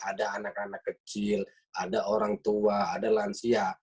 ada anak anak kecil ada orang tua ada lansia